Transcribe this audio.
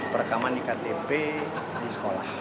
perekaman di ktp di sekolah